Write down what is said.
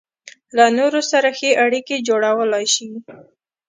له نورو سره ښې اړيکې جوړولای شي.